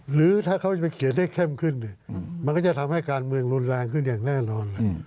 หรือถ้าเขาจะไปเขียนได้เข้มขึ้นมันก็จะทำให้การเมืองรุนแรงขึ้นอย่างแน่นอน